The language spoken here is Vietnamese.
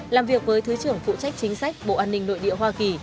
làm việc với thứ trưởng phụ trách chính sách bộ an ninh nội địa hoa kỳ